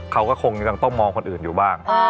เขาก็คงยังต้องมองคนอื่นอยู่บ้าง